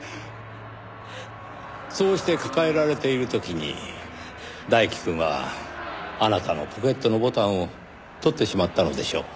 そうして抱えられている時に大樹くんはあなたのポケットのボタンを取ってしまったのでしょう。